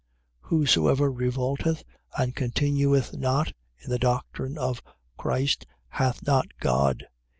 1:9. Whosoever revolteth and continueth not in the doctrine of Christ hath not God.